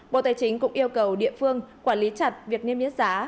bộ tài chính cũng yêu cầu địa phương quản lý chặt việc niêm yết giá